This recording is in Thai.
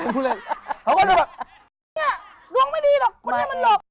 เจ๊ก